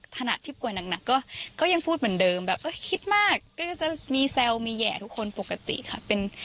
ขณะที่ป่วยหนักก็ยังพูดเหมือนเดิมแบบคิดมากก็จะมีแซวมีแห่ทุกคนปกติค่ะ